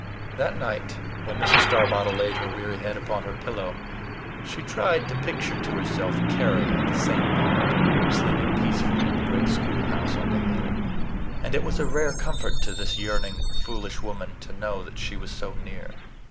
That night, when Mrs. Starbottle laid her weary head upon her pillow, she tried to picture to herself Carry at the same moment sleeping peacefully in the great schoolhouse on the hill; and it was a rare comfort to this yearning, foolish woman to know that she was so near.